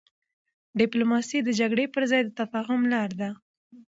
ډيپلوماسي د جګړي پر ځای د تفاهم لار ده.